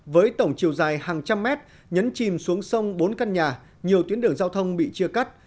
với tổng chiều dài hàng trăm mét nhấn chìm xuống sông bốn căn nhà nhiều tuyến đường giao thông bị chia cắt